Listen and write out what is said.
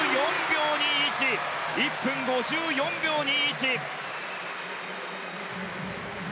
１分５４秒２１。